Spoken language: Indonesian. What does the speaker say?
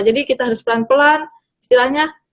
jadi kita harus pelan pelan istilahnya